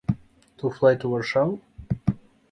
To fly to Warsaw?